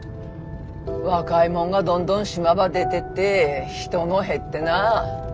若いもんがどんどん島ば出てって人も減ってな。